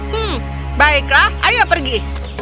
hmm baiklah ayo pergi